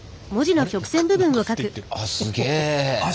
すげえ！